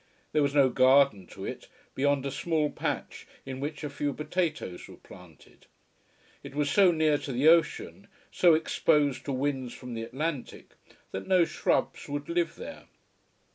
There was no garden to it, beyond a small patch in which a few potatoes were planted. It was so near to the ocean, so exposed to winds from the Atlantic, that no shrubs would live there.